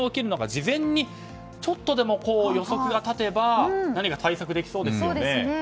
事前にちょっとでも予測が立てば何か対策できそうですよね。